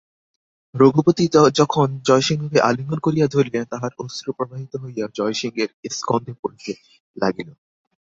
রঘুপতি তখন জয়সিংহকে আলিঙ্গন করিয়া ধরিলেন–তাঁহার অশ্রু প্রবাহিত হইয়া জয়সিংহের স্কন্ধে পড়িতে লাগিল।